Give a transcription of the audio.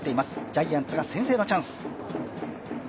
ジャイアンツが先制のチャンス。